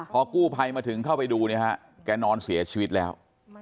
พอกู้ภัยมาถึงเข้าไปดูเนี่ยฮะแกนอนเสียชีวิตแล้ว